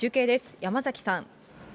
山崎さん。